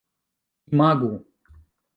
imagu